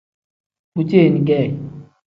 Bu ceeni kee.